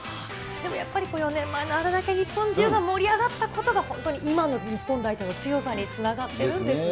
でもやっぱり４年前のあれだけ日本中が盛り上がったことが、本当に今の日本代表の強さにつなですね。